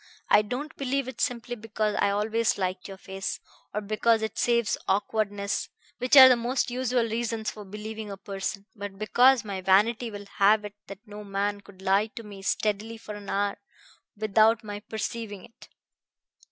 I don't believe it simply because I always liked your face, or because it saves awkwardness, which are the most usual reasons for believing a person, but because my vanity will have it that no man could lie to me steadily for an hour without my perceiving it.